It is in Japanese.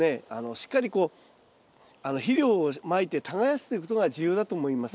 しっかりこう肥料をまいて耕すということが重要だと思います。